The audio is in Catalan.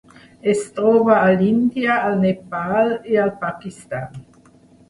Es troba a l'Índia, al Nepal i al Pakistan.